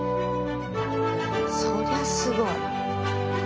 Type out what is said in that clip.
そりゃすごい。